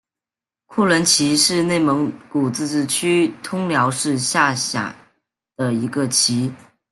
库伦旗是内蒙古自治区通辽市下辖的一个旗。